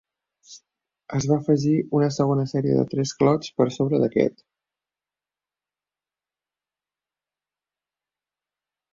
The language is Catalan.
Es va afegir una segona serie de tres clots per sobre d'aquest.